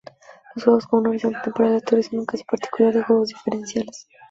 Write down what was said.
Los juegos con un horizonte temporal aleatorio son un caso particular de juegos diferenciales.